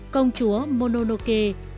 công chúa mononoke